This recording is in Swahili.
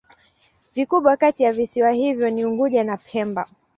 Vikubwa kati ya visiwa hivyo ni Unguja na Pemba.